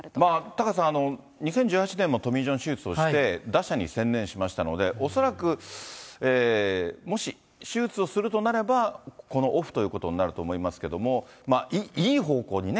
タカさん、２０１８年もトミー・ジョン手術をして、打者に専念しましたので、恐らくもし、手術をするとなれば、このオフということになると思いますけども、いい方向にね。